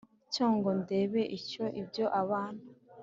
cyo ngo ndebe icyo ibyo abana